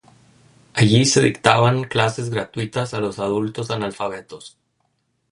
Allí se dictaban clases gratuitas a los adultos analfabetos.